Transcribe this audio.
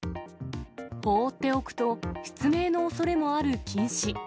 放っておくと失明のおそれもある近視。